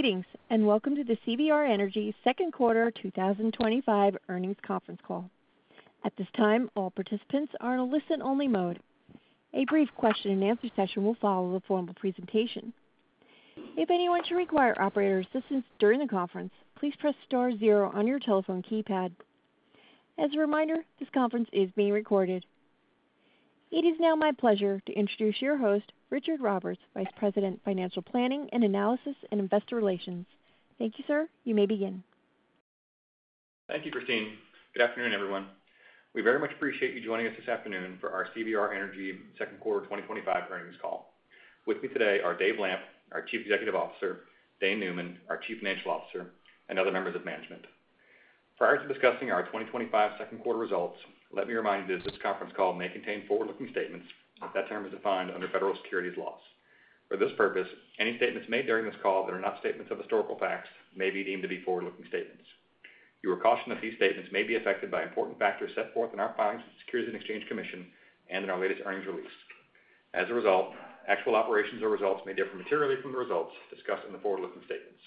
Greetings and welcome to the CVR Energy second quarter 2025 earnings conference call. At this time, all participants are in a listen-only mode. A brief question and answer session will follow the formal presentation. If anyone should require operator assistance during the conference, please press Star zero on your telephone keypad. As a reminder, this conference is being recorded. It is now my pleasure to introduce your host, Richard Roberts, Vice President, Financial Planning and Analysis and Investor Relations. Thank you, sir. You may begin. Thank you, Christine. Good afternoon, everyone. We very much appreciate you joining us. This afternoon for our CVR Energy second quarter 2025 earnings call. With me today are Dave Lamp, our Chief Executive Officer, Dane Neumann, our Chief Financial Officer and other members of management. Prior to discussing our 2025 second quarter results, let me remind you that this conference call may contain forward-looking statements. That term is defined under federal securities laws. For this purpose, any statements made during this call that are not statements of historical facts may be deemed to be forward-looking statements. You are cautioned that these statements may be affected by important factors set forth. In our filings with the Securities and Exchange Commission and in our latest earnings release. As a result, actual operations or results may differ materially from the results discussed in the forward-looking statements.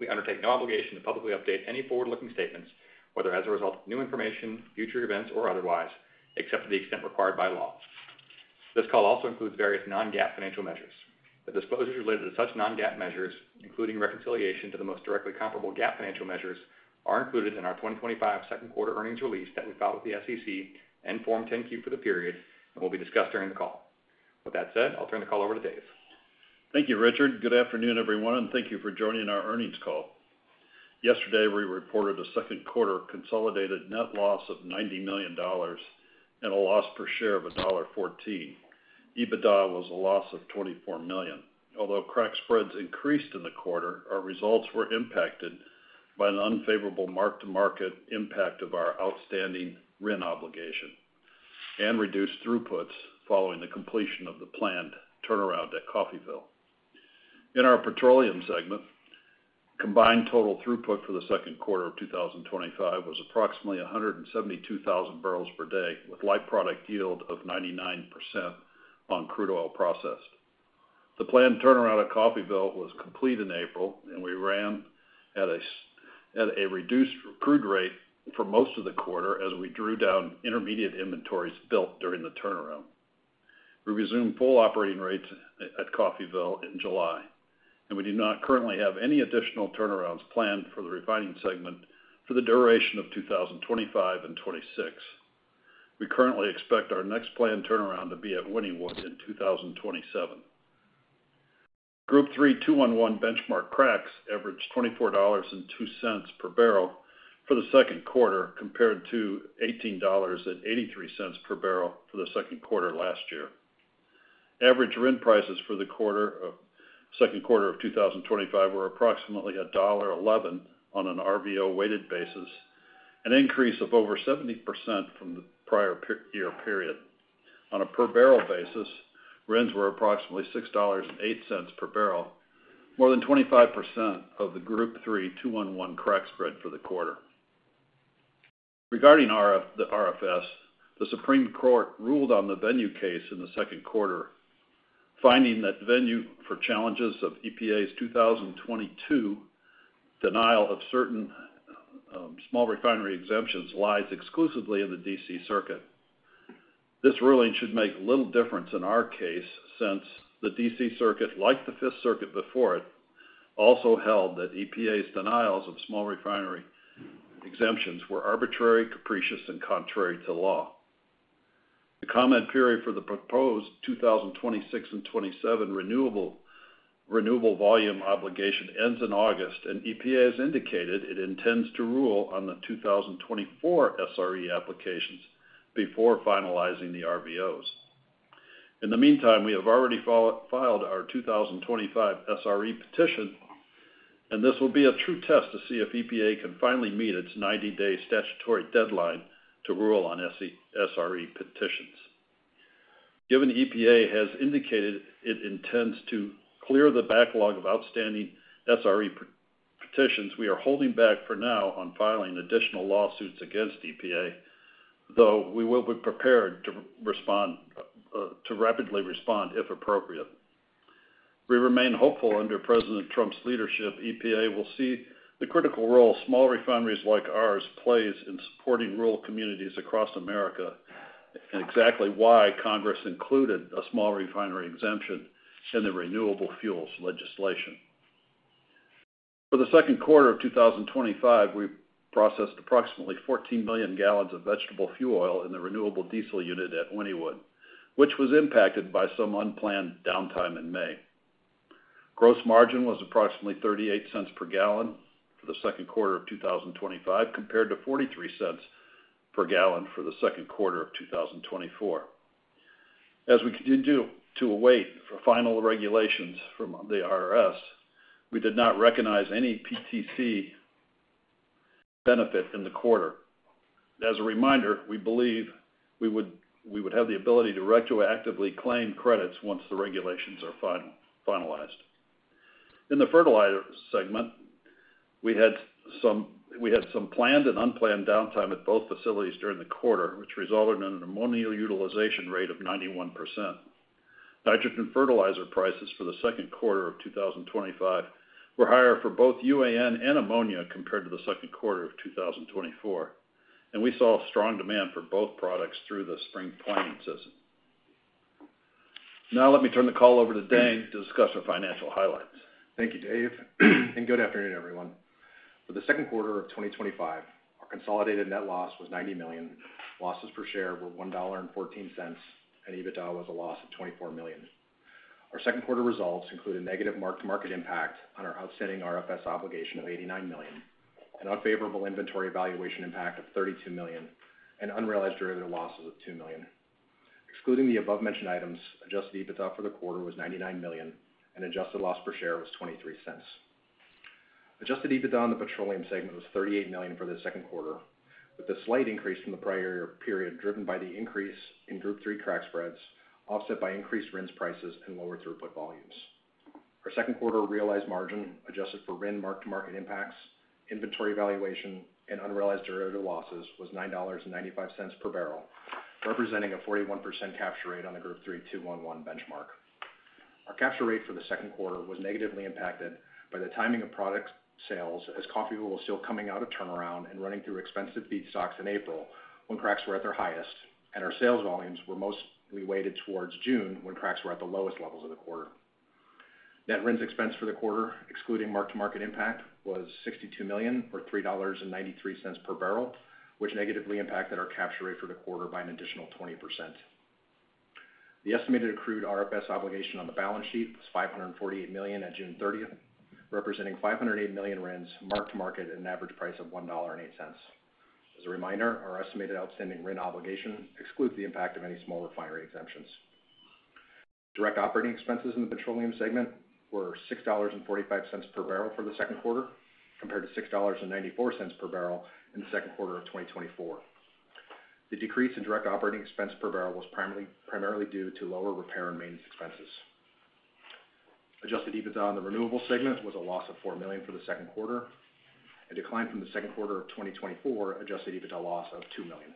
We undertake no obligation to publicly update any forward-looking statements, whether as a result of new information, future events, or otherwise, are known as except to the extent required by law. This call also includes various non-GAAP financial measures. The disclosures related to such non-GAAP measures, including reconciliation to the most directly comparable GAAP financial measures, are included in our 2025 second quarter earnings release. We filed with the SEC and Form 10-Q for the period and will be discussed during the call. With that said, I'll turn the call over to Dave. Thank you, Richard. Good afternoon everyone and thank you for joining our earnings call. Yesterday we reported a second quarter consolidated net loss of $90 million, a loss per share of $1.14. EBITDA was a loss of $24 million. Although crack spreads increased in the quarter, our results were impacted by an unfavorable mark to market impact of our outstanding RIN obligation and reduced throughputs following the completion of the planned turnaround at Coffeyville. In our petroleum segment, combined total throughput for the second quarter of 2025 was approximately 172,000 barrels per day with light product yield of 99% on crude oil processed. The planned turnaround at Coffeyville was complete in April and we ran at a reduced crude rate for most of the quarter as we drew down intermediate inventories built during the turnaround. We resumed full operating rates at Coffeyville in July, and we do not currently have any additional turnarounds planned for the refining segment for the duration of 2025 and 2026. We currently expect our next planned turnaround to be at Wynnewood in 2027. Group 3 2-1-1 benchmark cracks averaged $24.02 per barrel for the second quarter, compared to $18.83 per barrel for the second quarter last year. Average RIN prices for the second quarter of 2025 were approximately $1.11 on an RVO-weighted basis, an increase of over 70% from the prior year period. On a per barrel basis, RINs were approximately $6.08 per barrel, more than 25% of the Group 3 2-1-1 crack spread for the quarter. Regarding the RFS, the Supreme Court ruled on the venue case in the second quarter, finding that venue for challenges of EPA's 2022 denial of certain small refinery exemptions lies exclusively in the D.C. Circuit. This ruling should make little difference in our case since the D.C. Circuit, like the 5th Circuit before it, also held that EPA's denials of small refinery exemptions were arbitrary, capricious, and contrary to law. The comment period for the proposed 2026 and 2027 renewable volume obligation ends in August and EPA has indicated it intends to rule on the 2024 SRE applications before finalizing the RVOs. In the meantime, we have already filed our 2025 SRE petition and this will be a true test to see if EPA can finally meet its 90-day statutory deadline to rule on SRE petitions, given EPA has indicated it intends to clear the backlog of outstanding SRE petitions. We are holding back for now on filing additional lawsuits against EPA, though we will be prepared to rapidly respond if appropriate. We remain hopeful. Under President Trump's leadership, EPA will see the critical role small refineries like ours play in supporting rural communities across America and exactly why Congress included a small refinery exemption in the renewable fuels legislation. For the second quarter of 2025, we processed approximately 14 million gallons of vegetable oil in the renewable diesel unit at Wynnewood, which was impacted by some unplanned downtime in May. Gross margin was approximately $0.38 per gallon for the second quarter of 2025 compared to $0.43 per gallon for the second quarter of 2024. As we continue to await final regulations from the IRS, we did not recognize any PTC benefit in the quarter. As a reminder, we believe we would have the ability to retroactively claim credits once the regulations are finalized. In the fertilizer segment, we had some planned and unplanned downtime at both facilities during the quarter, which resulted in an ammonia utilization rate of 91%. Nitrogen fertilizer prices for the second quarter of 2025 were higher for both UAN and ammonia compared to the second quarter of 2024, and we saw strong demand for both products through the spring planting season. Now let me turn the call over to Dane to discuss our financial highlights. Thank you, Dave, and good afternoon, everyone. For the second quarter of 2025, our consolidated net loss was $90 million, losses per share were $1.14, and EBITDA was a loss of $24 million. Our second quarter results include a negative mark-to-market impact on our outstanding RFS obligation of $89 million, an unfavorable inventory valuation impact of $32 million, and unrealized derivative losses of $2 million. Excluding the above-mentioned items, adjusted EBITDA for the quarter was $99 million, and adjusted loss per share was $0.23. Adjusted EBITDA on the petroleum segment was $38 million for the second quarter, with a slight increase from the prior period driven by the increase in Group 3 crack spreads, offset by increased RIN prices and lower throughput volumes. Our second quarter realized margin, adjusted for RIN mark-to-market impacts, inventory valuation, and unrealized derivative losses, was $9.95 per barrel, representing a 41% capture rate on the Group 3-2-1-1 benchmark. Our capture rate for the second quarter was negatively impacted by the timing of product sales, as Coffeyville was still coming out of turnaround and running through expensive feedstocks in April when cracks were at their highest, and our sales volumes were mostly weighted towards June when cracks were at the lowest levels of the quarter. Net RIN expense for the quarter, excluding mark-to-market impact, was $62 million, or $3.93 per barrel, which negatively impacted our capture rate for the quarter by an additional 20%. The estimated accrued RFS obligation on the balance sheet was $548 million at June 30, representing 508 million RINs mark to market at an average price of $1.08. As a reminder, our estimated outstanding RIN obligation excludes the impact of any small refinery exemptions. Direct operating expenses in the petroleum segment were $6.45 per barrel for the second quarter compared to $6.94 per barrel in the second quarter of 2024. The decrease in direct operating expense per barrel was primarily due to lower repair and maintenance expenses. Adjusted EBITDA on the renewables segment was a loss of $4 million for the second quarter, a decline from the second quarter of 2024 adjusted EBITDA loss of $2 million.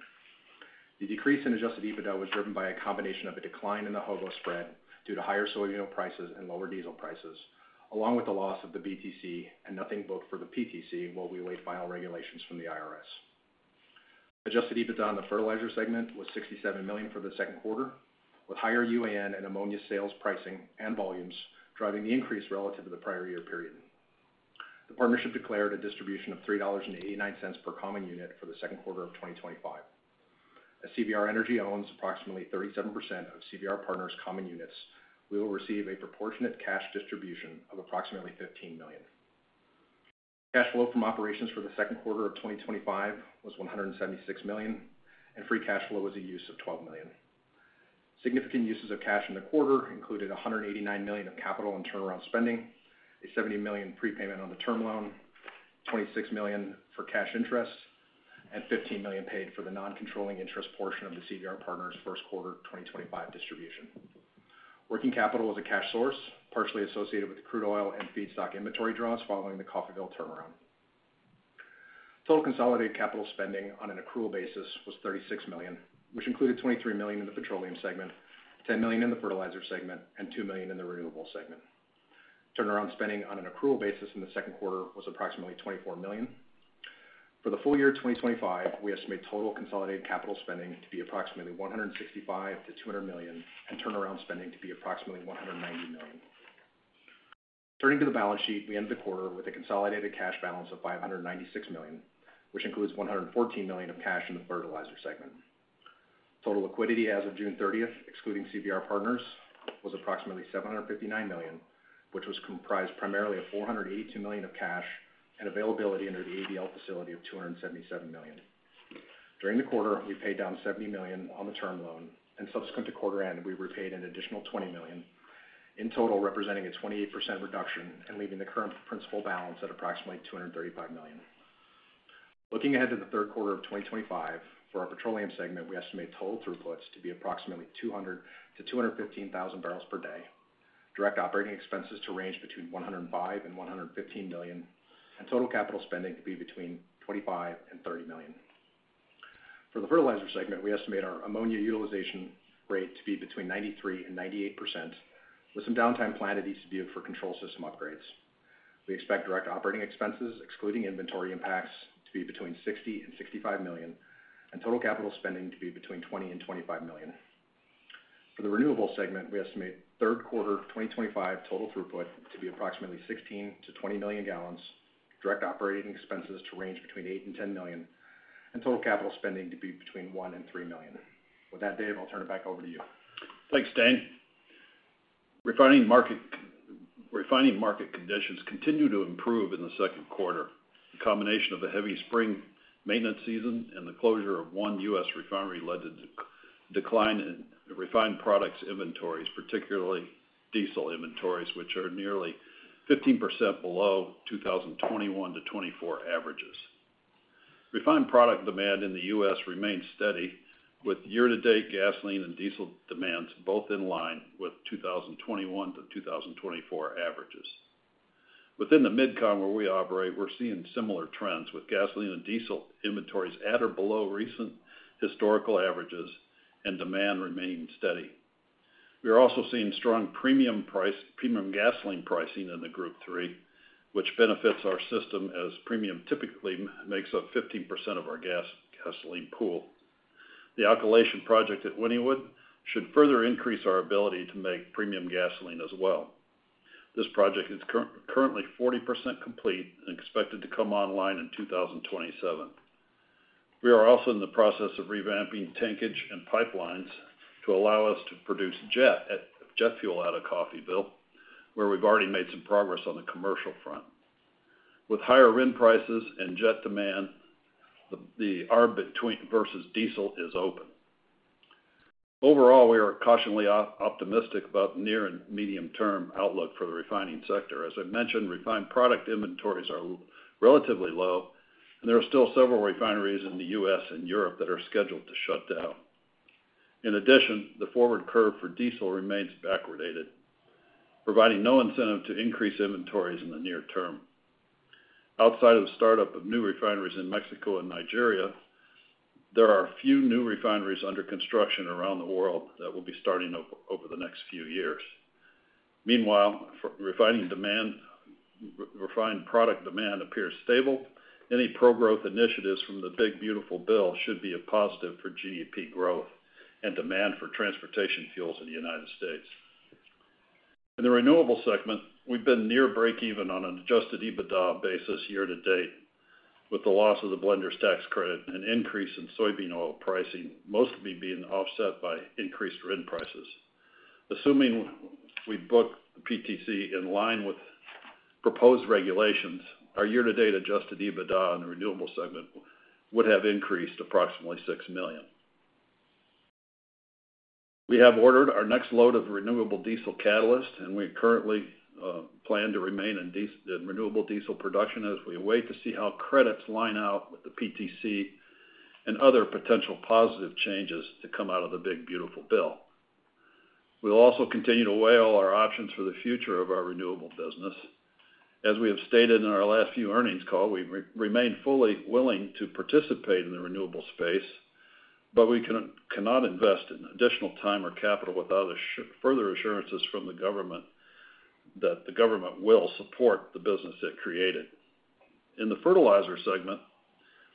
The decrease in adjusted EBITDA was driven by a combination of a decline in the HOBO spread due to higher soy prices and lower diesel prices, along with the loss of the BTC and nothing booked for the PTC while we await final regulations from the IRS. Adjusted EBITDA on the fertilizer segment was $67 million for the second quarter, with higher UAN and ammonia sales pricing and volumes driving the increase relative to the prior year period. The partnership declared a distribution of $3.89 per common unit for the second quarter of 2025. As CVR Energy owns approximately 37% of CVR Partners common units, we will receive a proportionate cash distribution of approximately $15 million. Cash flow from operations for the second quarter of 2025 was $176 million and free cash flow was a use of $12 million. Significant uses of cash in the quarter included $189 million of capital and turnaround spending, a $70 million prepayment on the term loan, $26 million for cash interest and $15 million paid for the non-controlling interest portion of the CVR Partners first quarter 2025 distribution. Working capital was a cash source partially associated with crude oil and feedstock inventory draws. Following the Coffeyville turnaround, total consolidated capital spending on an accrual basis was $36 million, which included $23 million in the petroleum segment, $10 million in the fertilizer segment and $2 million in the renewables segment. Turnaround spending on an accrual basis in the second quarter was approximately $24 million. For the full year 2025, we estimate total consolidated capital spending to be approximately $165 to $200 million and turnaround spending to be approximately $190 million. Turning to the balance sheet, we ended the quarter with a consolidated cash balance of $596 million which includes $114 million of cash in the fertilizer segment. Total liquidity as of June 30th excluding CVR Partners was approximately $759 million, which was comprised primarily of $482 million of cash and availability under the ABL facility of $277 million. During the quarter we paid down $70 million on the term loan and subsequent to quarter end we repaid an additional $20 million in total representing a 28% reduction and leaving the current principal balance at approximately $235 million. Looking ahead to the third quarter of 2025, for our petroleum segment, we estimate total throughputs to be approximately 200,000 - 215,000 barrels per day, direct operating expenses to range between $105 million and $115 million and total capital spending to be between $25 million and $30 million. For the fertilizer segment, we estimate our ammonia utilization rate to be between 93% and 98%, with some downtime planned at East Butte. For control system upgrades, we expect direct operating expenses excluding inventory impacts to be between $60 million and $65 million, and total capital spending to be between $20 million and $25 million. For the Renewable segment, we estimate third quarter 2025 total throughput to be approximately 16 - 20 million gallons, direct operating expenses to range between $8 million and $10 million, and total capital spending to be between $1 million and $3 million. With that, Dave, I'll turn it back over to you. Thanks, Dane. Refining market conditions continue to improve in the second quarter. The combination of the heavy spring maintenance season and the closure of one U.S. refinery led to a decline in refined product inventories, particularly diesel inventories, which are nearly 15% below 2021-2024 averages. Refined product demand in the U.S. remains steady with year-to-date gasoline and diesel demands, both in line with 2021-2024 averages. Within the Mid-Con, where we operate, we're seeing similar trends with gasoline and diesel inventories at or below recent historical averages and demand remaining steady. We are also seeing strong premium gasoline pricing in the Group 3, which benefits our system as premium typically makes up 15% of our gasoline pool. The alkylation project at Wynnewood should further increase our ability to make premium gasoline as well. This project is currently 40% complete and expected to come online in 2027. We are also in the process of revamping tankage and pipelines to allow us to produce jet fuel out of Coffeyville, where we've already made some progress on the commercial front. With higher RIN prices and jet demand, the ARB versus diesel is open. Overall, we are cautiously optimistic about the near and medium-term outlook for the refining sector. As I mentioned, refined product inventories are relatively low and there are still several refineries in the U.S. and Europe that are scheduled to shut down. In addition, the forward curve for diesel remains backwardated, providing no incentive to increase inventories in the near term. Outside of the startup of new refineries in Mexico and Nigeria, there are a few new refineries under construction around the world that will be starting over the next few years. Meanwhile, refining demand, refined product demand appears stable. Any pro-growth initiatives from the Big Beautiful Bill should be a positive for GDP growth and demand for transportation fuels in the United States. In the renewable segment, we've been near break-even on an adjusted EBITDA basis year-to-date with the loss of the blenders tax credit, an increase in soybean oil pricing mostly being offset by increased RIN prices. Assuming we book the PTC in line with proposed regulations, our year-to-date adjusted EBITDA in the renewable segment would have increased approximately $6 million. We have ordered our next load of renewable diesel catalyst, and we currently plan to remain in renewable diesel production as we wait to see how credits line out with the PTC and other potential positive changes to come out of the Big Beautiful Bill. We'll also continue to weigh all our options for the future of our renewable business. As we have stated in our last few earnings calls, we remain fully willing to participate in the renewable space, but we cannot invest additional time or capital without further assurances from the government that the government will support the business it created. In the fertilizer segment,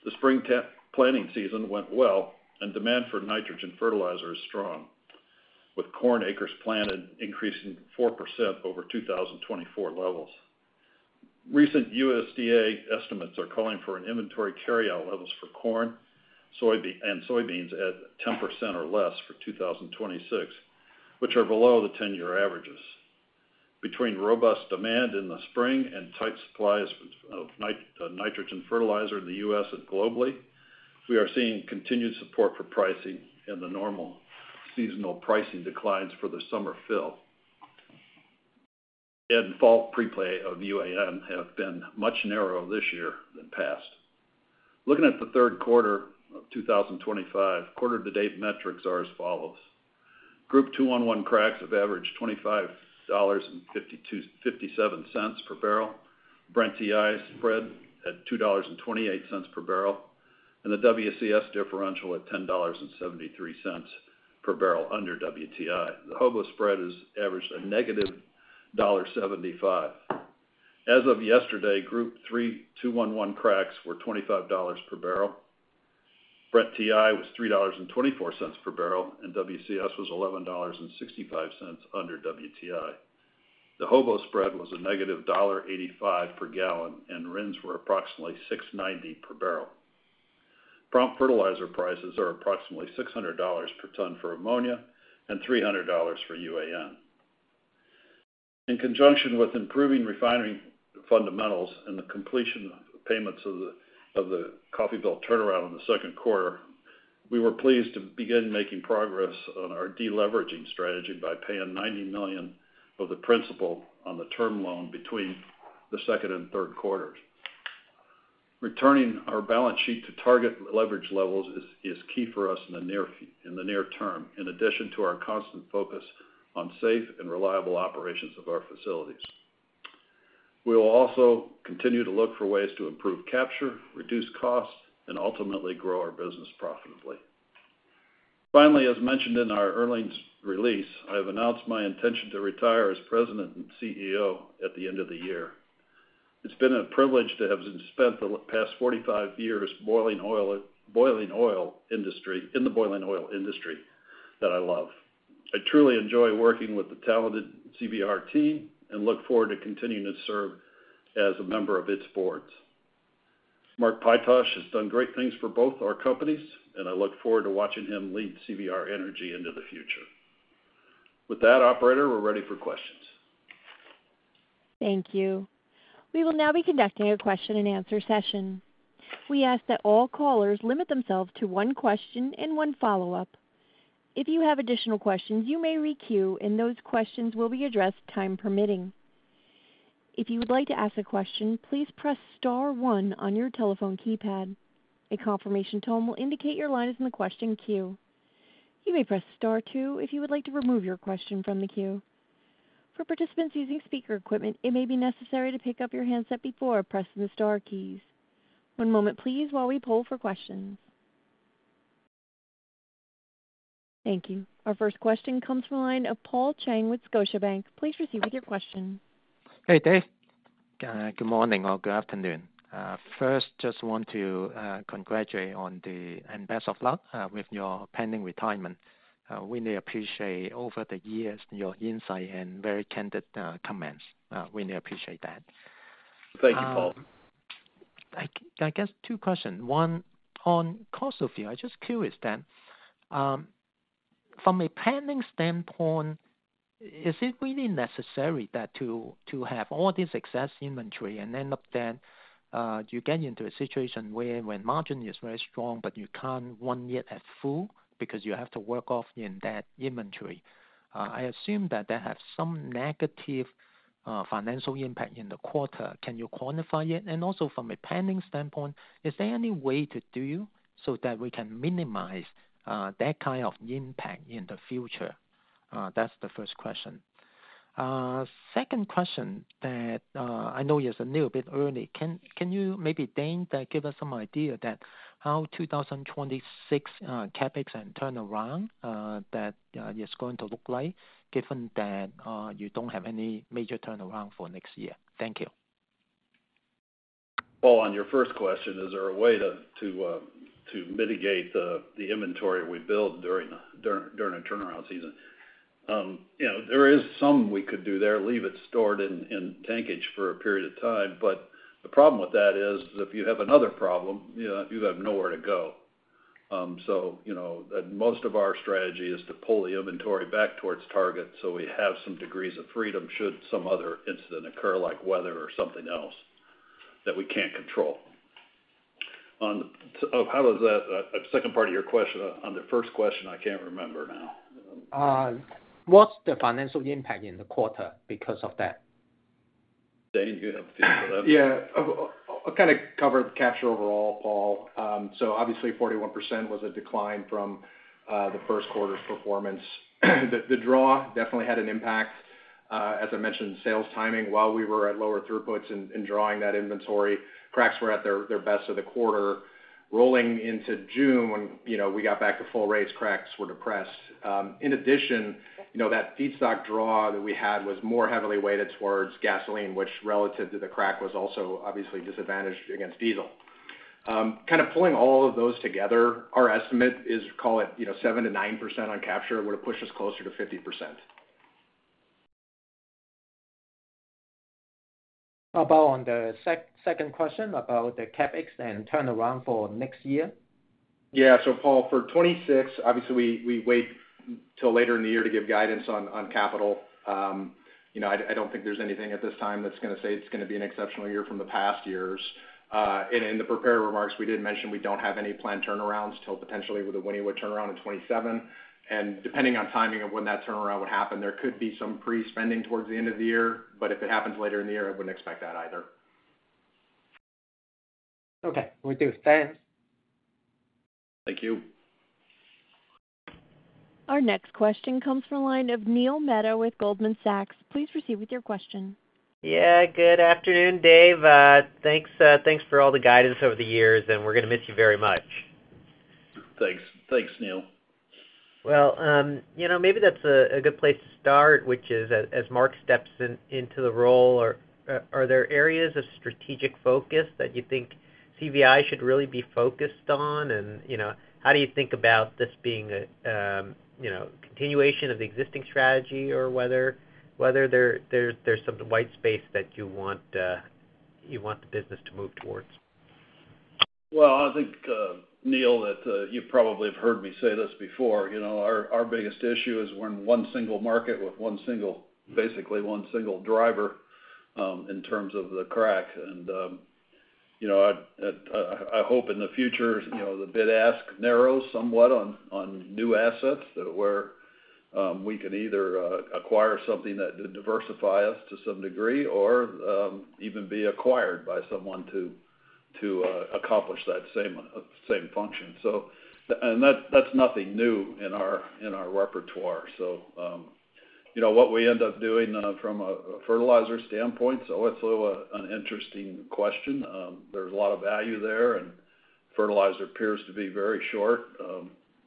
the spring planting season went well, and demand for nitrogen fertilizer is strong with corn acres planted increasing 4% over 2024 levels. Recent USDA estimates are calling for inventory carryout levels for corn and soybeans at 10% or less for 2026, which are below the 10-year averages. Between robust demand in the spring and tight supplies of nitrogen fertilizer in the U.S. and globally, we are seeing continued support for pricing, and the normal seasonal pricing declines for the summer fill and fall prepay of UAN have been much narrower this year than past. Looking at the third quarter of 2025, quarter-to-date metrics are as follows. Group 2-1-1 cracks have averaged $25.57 per barrel, Brent TI spread at $2.28 per barrel, and the WCS differential at $10.73 per barrel. Under WTI, the HOBO spread has averaged a $-1.75 as of yesterday. Group 3-2-1-1 cracks were $25.00 per barrel, Brent TI was $3.24 per barrel, and WCS was $11.65. Under WTI, the HOBO spread was a $-1.85 per gallon, and RINs were approximately $690 per barrel. Prompt fertilizer prices are approximately $600 per ton for ammonia and $300 for UAN. In conjunction with improving refining fundamentals and the completion payments of the Coffeyville turnaround in the second quarter, we were pleased to begin making progress on our deleveraging strategy by paying $90 million of the principal on the term loan between the second and third quarters. Returning our balance sheet to target leverage levels is key for us in the near term. In addition to our constant focus on safe and reliable operations of our facilities, we will also continue to look for ways to improve, capture, reduce costs, and ultimately grow our business profitably. Finally, as mentioned in our earnings release, I have announced my intention to retire as President and CEO at the end of the year. It's been a privilege to have spent the past 45 years in the boiling oil industry that I love. I truly enjoy working with the talented CVR team and look forward to continuing to serve as a member of its boards. Mark Pytosh has done great things for both our companies and I look forward to watching him lead CVR Energy into the future. With that, operator, we're ready for questions. Thank you. We will now be conducting a question and answer session. We ask that all callers limit themselves to one question and one follow up. If you have additional questions, you may re queue and those questions will be addressed time permitting. If you would like to ask a question, please press Star one on your telephone keypad. A confirmation tone will indicate your line is in the question queue. You may press Star two if you would like to remove your question from the queue. For participants using speaker equipment, it may be necessary to pick up your handset before pressing the star keys. One moment please while we poll for questions. Thank you. Our first question comes from the line of Paul Cheng with Scotiabank. Please proceed with your question. Hey Dave, good morning or good afternoon. First, just want to congratulate on the and best of luck with your pending retirement. We really appreciate over the years your insight and very candid comments. We appreciate that. Thank you, Paul. I guess two questions, one on cost of your, I just curious then from a planning standpoint is it really necessary to have all this excess inventory and end up, then you get into a situation where when margin is very strong but you can't run it at full because you have to work off in that inventory. I assume that they have some negative financial impact in the quarter. Can you quantify it? Also, from a planning standpoint, is there any way to do so that we can minimize that kind of impact in the future? That's the first question. Second question that I know is a new bit early. Can you maybe, Dane, give us some idea that how 2026 CapEx and turnaround that is going to look like given that you don't have any major turnaround for next year? Thank you. Paul, on your first question, is there a way to mitigate the inventory we build during turnaround season? There is some we could do there, leave it stored in tankage for a period of time, but the problem with that is if you have another problem you have nowhere to go. Most of our strategy is to pull the inventory back towards target so we have some degrees of freedom should some other incident occur like weather or something else that we can't control. How does that second part of your question on the first question I can't remember now. What's the financial impact in the quarter because of that? Dane, you have a feel for that? Yeah, I'll kind of cover capture overall, Paul. Obviously, 41% was a decline from the first quarter's performance. The draw definitely had an impact. As I mentioned, sales timing while we were at lower throughputs and drawing that inventory, cracks were at their best of the quarter. Rolling into June, when we got back to full rates, cracks were depressed. In addition, you know, that feedstock draw that we had was more heavily weighted towards gasoline, which relative to the crack was also obviously disadvantaged against diesel. Kind of pulling all of those together, our estimate is, call it, you know, 7% to 9% on capture would have pushed us closer to 50%. How about on the second question about the CapEx and turnaround for next year? Yeah, so Paul, for 2026 obviously we wait until later in the year to give guidance on capital. I don't think there's anything at this time that's going to say it's going to be an exceptional year from the past years, and in the prepared remarks we did mention we don't have any planned turnarounds until potentially with a Wynnewood turnaround in 2027, and depending on timing of when that turnaround would happen, there could be some pre-spending towards the end of the year, if. it happens later in the year, I wouldn't expect that either. Okay, we do. Thanks. Thank you. Our next question comes from the line of Neil Mehta with Goldman Sachs. Please proceed with your question. Yeah, good afternoon Dave, thanks for all. The guidance over the years and we're going to miss you very much. Thanks. Thanks, Neil. Maybe that's a good place to start, which is as Mark steps into the role, or are there areas of strategic focus that you think CVR Energy should really be focused on? How do you think about this being a continuation of the existing strategy or whether there's some white space that you see? I think, Neil, that you probably have heard me say this before. Our biggest issue is we're in one single market with one single, basically one single driver in terms of the crack. I hope in the future the bid ask narrows somewhat on new assets where we can either acquire something that diversifies us to some degree or even be acquired by someone to accomplish that same function. That's nothing new in our repertoire. What we end up doing from a fertilizer standpoint is an interesting question. There's a lot of value there, and fertilizer appears to be very short,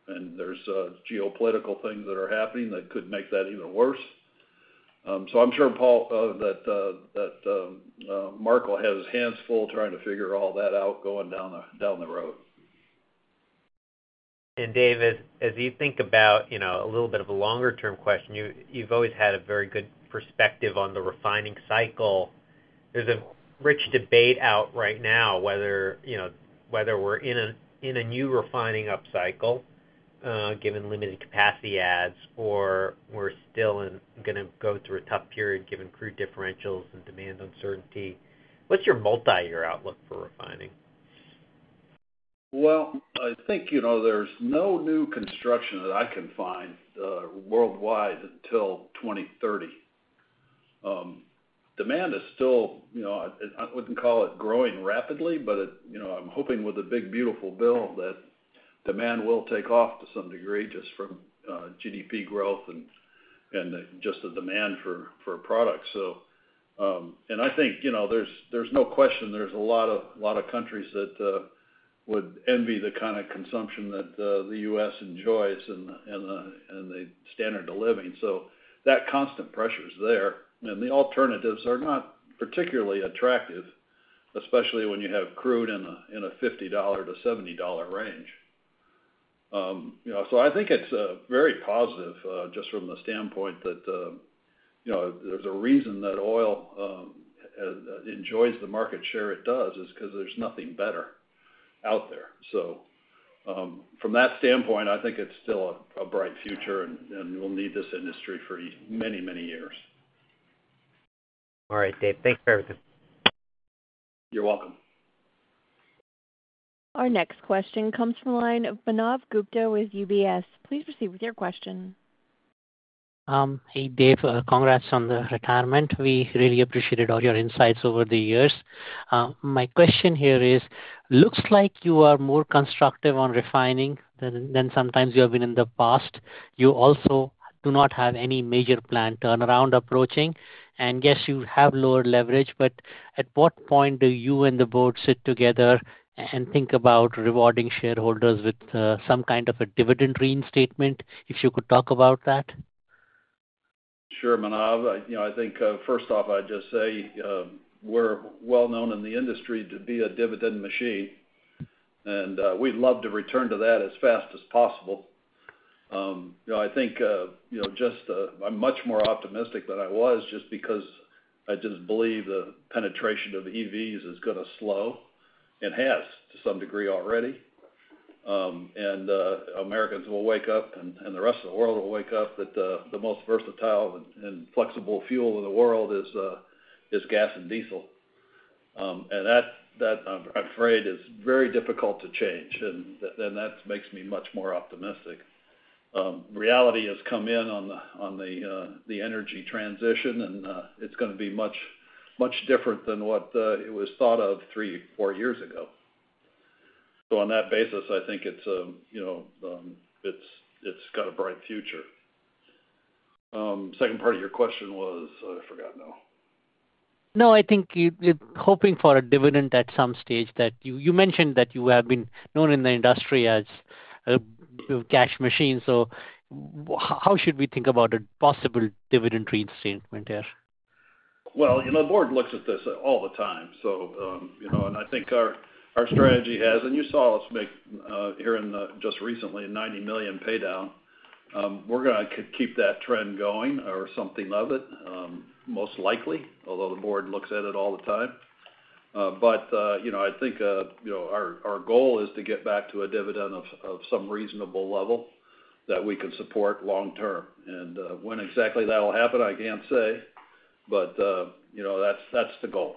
and there are geopolitical things that are happening that could make that even worse. I'm sure, Paul, that Mark will have his hands full trying to figure all that out going down the road. Dave, as you think about a Little bit of a longer term question, you've always had a very good perspective on the refining cycle. There's a rich debate out right now whether we're in a new refining up cycle given limited capacity adds or we're still going to go through a tough period given crude differentials and demand uncertainty. What's your multi year outlook for refining? I think, you know, there's no new construction that I can find worldwide until 2030. Demand is still, you know, I wouldn't call it growing rapidly but I'm hoping with a big beautiful bill that demand will take off to some degree just from GDP growth and just the demand for products. I think there's no question there's a lot of countries that would envy the kind of consumption that the U.S. enjoys and the standard of living. That constant pressure is there and the alternatives are not particularly attractive, especially when you have crude in a $50 - $70 range. I think it's very positive just from the standpoint that there's a reason that oil enjoys the market share it does because there's nothing better out there. From that standpoint, I think it's still a bright future and we'll need this industry for many, many years. All right, Dave, thanks for everything. You're welcome. Our next question comes from the line of Manav Gupta with UBS. Please proceed with your question. Hey Dave, congrats on the retirement. We really appreciated all your insights over the years. My question here is it looks like you are more constructive on refining than sometimes you have been in the past. You also do not have any major plan turnaround approaching. You have lower leverage but at what point do you and the board sit together and think about rewarding shareholders with some kind of a dividend reinstatement? If you could talk about that. Sure, Manav. I think first off, I'd just say we're well known in the industry to be a dividend machine and we'd love to return to that as fast as possible. I think I'm much more optimistic than I was just because I believe the penetration of EVs is going to slow and has to some degree already, and Americans will wake up and the rest of the world will wake up that the most versatile and flexible fuel in the world is gasoline and diesel. That, I'm afraid, is very difficult to change, and that makes me much more optimistic. Reality has come in on the energy transition, and it's going to be much different than what it was thought of three or four years ago. On that basis, I think it's got a bright future. Second part of your question was I forgot now. No, I think hoping for a dividend at some stage. You mentioned that you have been known in the industry as a cash machine. How should we think about a possible dividend reinstatement here? The board looks at this all the time, and I think our strategy has, and you saw us make here just recently, a $90 million pay down. We're going to keep that trend going or something of it, most likely, although the board looks at it all the time. I think our goal is to get back to a dividend of some reasonable level that we can support long term. When exactly that will happen, I can't say. That's the goal.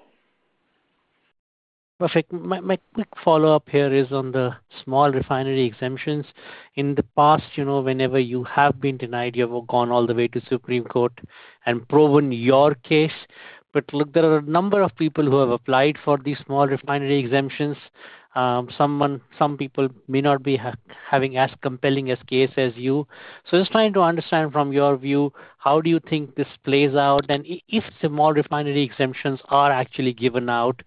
Perfect. My quick follow-up here is on the small refinery exemptions. In the past, you know, whenever you have been denied, you have gone all the way to the Supreme Court and proven your case. There are a number of people who have applied for these small refinery exemptions. Some people may not be having as compelling a case as you. Just trying to understand from your view, how do you think this plays out and if small refinery exemptions are actually given out,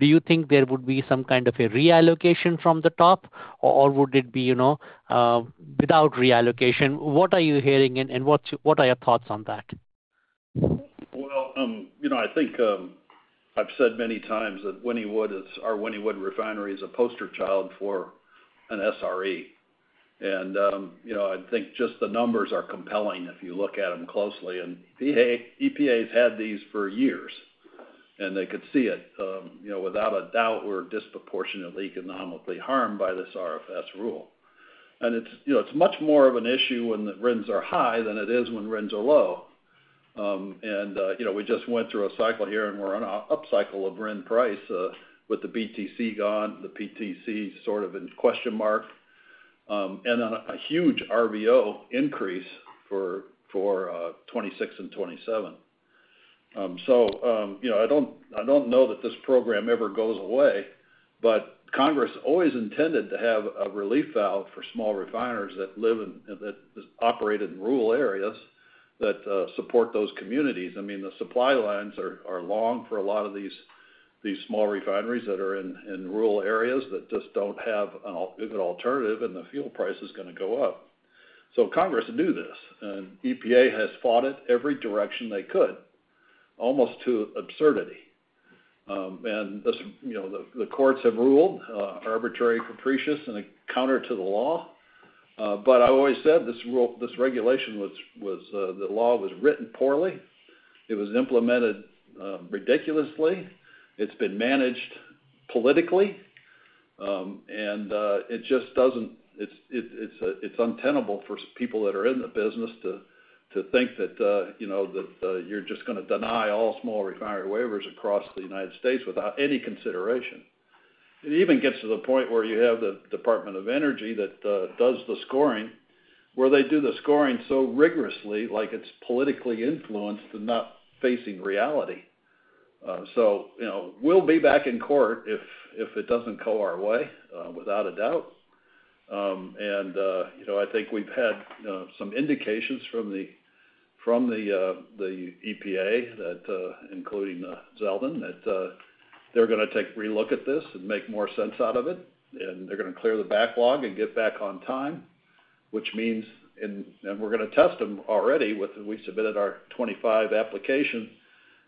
do you think there would be some kind of a reallocation from the top or would it be without reallocation? What are you hearing and what are your thoughts on that? I think I've said many times that our Wynnewood refinery is a poster child for an SRE. I think just the numbers are compelling. If you look at them closely, EPA has had these for years and they could see it. Without a doubt, we're disproportionately economically harmed by this RFS rule. It's much more of an issue when RINs are high than it is when RINs are low. We just went through a cycle here and we're on an upcycle of RIN price with the BTC gone, the PTC sort of in question mark, and a huge RVO increase for 2026 and 2027. I don't know that this program ever goes away, but Congress always intended to have a relief valve for small refiners that operate in rural areas that support those communities. The supply lines are long for a lot of these small refineries that are in rural areas that just don't have a good alternative and the fuel price has got to go up. Congress knew this and EPA has fought it every direction they could almost to absurdity. The courts have ruled arbitrary, capricious, and counter to the law. I always said this regulation was—the law was written poorly, it was implemented ridiculously, it's been managed politically, and it just doesn't—it's untenable for people that are in the business to think that you're just going to deny all small refinery waivers across the United States without any consideration. It even gets to the point where you have the Department of Energy that does the scoring, where they do the scoring so rigorously, like it's politically influenced and not facing reality. We'll be back in court if it doesn't go our way, without a doubt. I think we've had some indications from the EPA, including Zeldin, that they're going to take a relook at this and make more sense out of it and they're going to clear the backlog and get back on time, which means we're going to test them already. We submitted our 2025 applications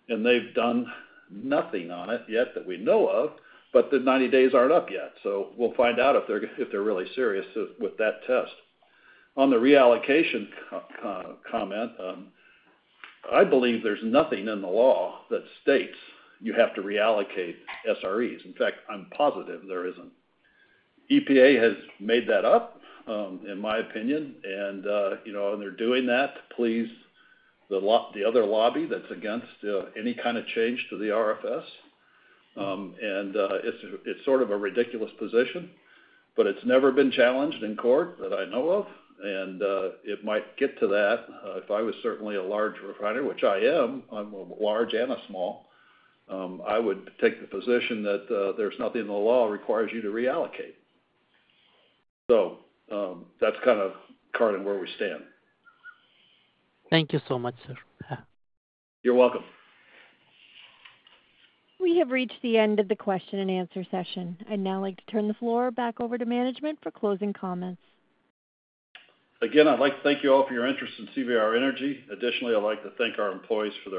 and they've done nothing on it yet that we know of, but the 90 days aren't up yet. We'll find out if they're really serious with that test. On the reallocation comment, I believe there's nothing in the law that states you have to reallocate SREs. In fact, I'm positive there isn't. EPA has made that up, in my opinion, and they're doing that to please the other lobby that's against any kind of change to the RFS. It's sort of a ridiculous position, but it's never been challenged in court that I know of. It might get to that if I was certainly a large refinery, which I am. I'm a large and a small. I would take the position that there's nothing in the law requires you to reallocate. That's kind of current and where we stand. Thank you so much, sir. You're welcome. We have reached the end of the question and answer session. I'd now like to turn the floor back over to management for closing comments. Again, I'd like to thank you all for your interest in CVR Energy. Additionally, I'd like to thank our employees for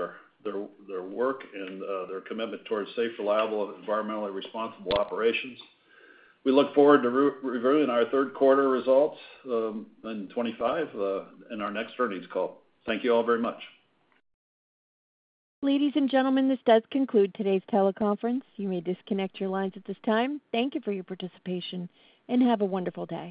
their work and their commitment towards safe, reliable, and environmentally responsible operations. We look forward to reviewing our third quarter results in 2025 in our next earnings call. Thank you all very much. Ladies and gentlemen, this does conclude today's teleconference. You may disconnect your lines at this time. Thank you for your participation and have a wonderful day.